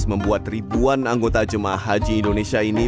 membuat ribuan anggota jemaah haji indonesia ini